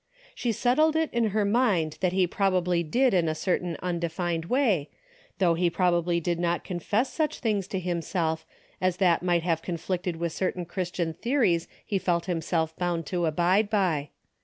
She settled it in her mind that he probably did in a certain undefined way, though he probably did not confess such things to himself as that might have conflicted with certain Christian theories he felt himself 216 A DAILY bate:'' bound to abide by.